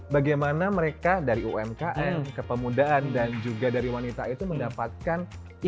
bagaimana mereka dari umkm kepemudaan dan juga dari wanita itu mendapatkan